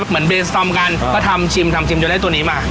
เหมือนเบสตอมกันก็ทำชิมทำชิมจนได้ตัวนี้มา